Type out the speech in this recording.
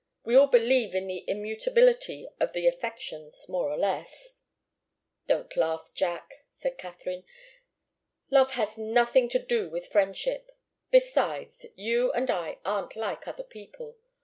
We all believe in the immutability of the affections, more or less." "Don't laugh, Jack!" said Katharine. "Love has nothing to do with friendship. Besides, you and I aren't like other people.